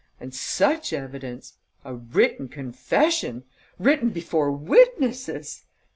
And such evidence! A written confession! Written before witnesses!...